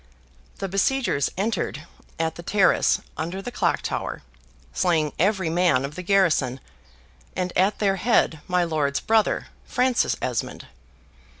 The besiegers entered at the terrace under the clock tower, slaying every man of the garrison, and at their head my lord's brother, Francis Esmond.